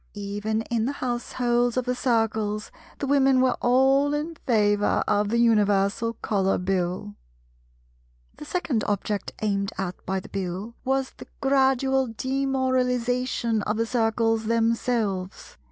Even in the households of the Circles, the Women were all in favour of the Universal Colour Bill. The second object aimed at by the Bill was the gradual demoralization of the Circles themselves.